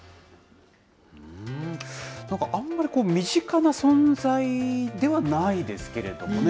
あんまり身近な存在ではないですけれどもね。